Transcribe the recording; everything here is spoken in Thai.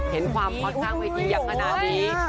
เห็นความฮอตข้างเวทีอย่างขนาดนี้